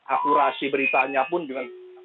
akurasi beritanya pun juga